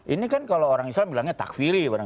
ini kan kalau orang islam bilangnya takfiri